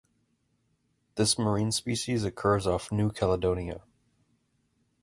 This marine species occurs off New Caledonia